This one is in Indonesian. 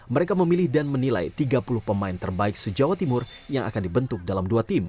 mereka memilih dan menilai tiga puluh pemain terbaik se jawa timur yang akan dibentuk dalam dua tim